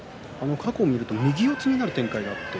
過去、右四つになる展開があります。